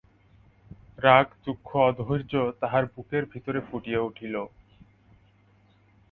রাগ দুঃখ অধৈর্য তাহার বুকের ভিতরে ফুটিয়া উঠিল।